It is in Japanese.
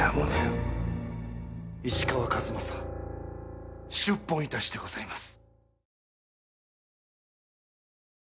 石川数正出奔いたしてございます。